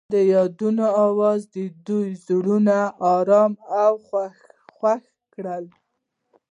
د یادونه اواز د دوی زړونه ارامه او خوښ کړل.